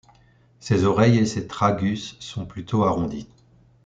Ses oreilles et ses tragus sont plutôt arrondis.